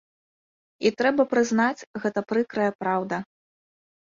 І трэба прызнаць, гэта прыкрая праўда.